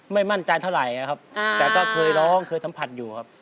ไม่มั่นใจเท่าไหร่นะครับแต่ก็เคยร้องเคยสัมผัสอยู่ครับ